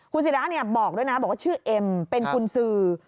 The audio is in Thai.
คุณศิราบอกด้วยนะบอกว่าชื่อเอ็มเป็นกุญสือ